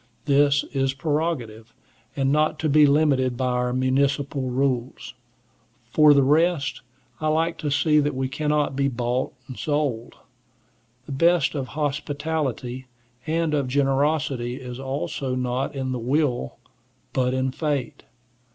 This is prerogative, and not to be limited by our municipal rules. For the rest, I like to see that we cannot be bought and sold. The best of hospitality and of generosity is also not in the will, but in fate.